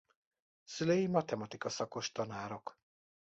Szülei matematika szakos tanárok.